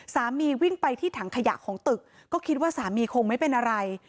สามีวิ่งไปที่ถังขยะของตึกก็คิดว่าสามีคงไม่เป็นอะไร